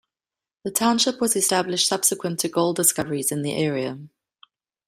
The township was established subsequent to gold discoveries in the area.